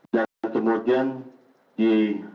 dan kemudian di